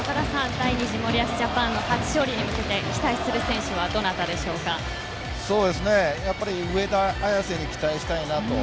第２次森保ジャパンの初勝利に向けて期待する選手は上田綺世に期待したいなと。